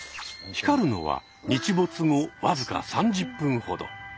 光るのは日没後わずか３０分ほど。